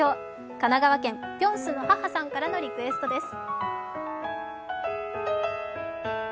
神奈川県、ぴょんすの母さんからのリクエストです。